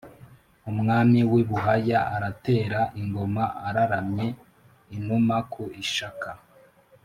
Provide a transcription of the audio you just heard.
Umwami w'i Buhaya aratera ingoma araramye-Inuma ku ishaka.